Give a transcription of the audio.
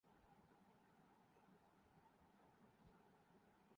تجویزکردہ معاہدے کو مسترد کرنے کے لیے